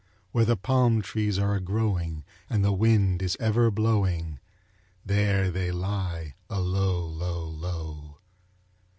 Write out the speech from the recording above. Where the palm trees are a growing, and the wind is ever blowing, There they lie alow, low, low.